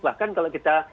bahkan kalau kita